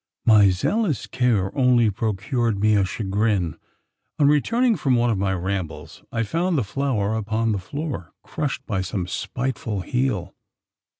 My zealous care only procured me a chagrin. On returning from one of my rambles, I found the flower upon the floor, crushed by some spiteful heel?